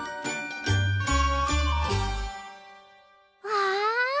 わあ！